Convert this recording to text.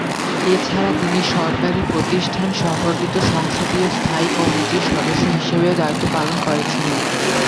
এছাড়া তিনি সরকারি প্রতিষ্ঠান সম্পর্কিত সংসদীয় স্থায়ী কমিটির সদস্য হিসেবেও দায়িত্ব পালন করেছিলেন।